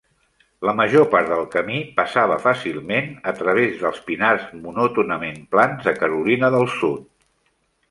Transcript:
La major part del camí passava fàcilment a través dels pinars monòtonament plans de Carolina del Sud.